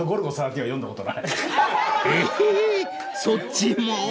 そっちも？］